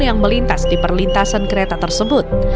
yang melintas di perlintasan kereta tersebut